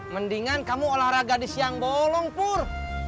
mendingan kamu olahraga di siang bolong pur